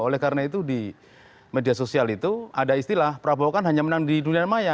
oleh karena itu di media sosial itu ada istilah prabowo kan hanya menang di dunia maya